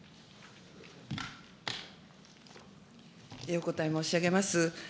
お答え申し上げます。